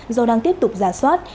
do đang tiếp tục giả soát